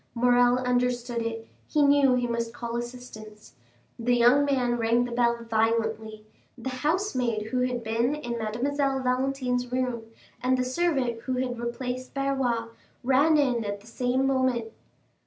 Morrel understood it; he knew he must call assistance. The young man rang the bell violently; the housemaid who had been in Mademoiselle Valentine's room, and the servant who had replaced Barrois, ran in at the same moment.